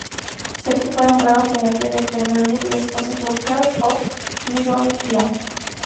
Sergio fue nombrado gerente de Premier League de Escocia Club Heart of Midlothian.